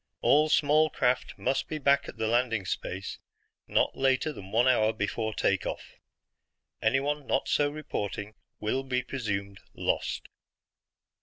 All small craft must be back at the landing space not later than one hour before take off. Anyone not so reporting will be presumed lost."